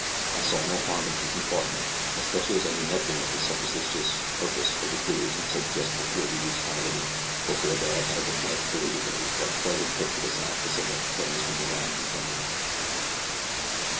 I saw no harm in taking part in it, especially as I knew nothing of the supposititious purpose of the cruise until just before we reached Honolulu. Before that I had been led to believe that it was but a pleasure trip to the South Pacific that Mr. Divine intended.